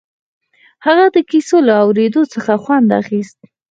هغه د کيسو له اورېدو څخه خوند اخيست.